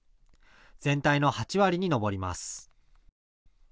全体の８割に上ります。